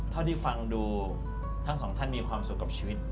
เท่าที่ฟังดูทั้งสองท่านมีความสุขกับชีวิต